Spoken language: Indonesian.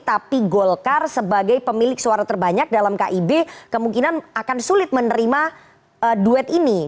tapi golkar sebagai pemilik suara terbanyak dalam kib kemungkinan akan sulit menerima duet ini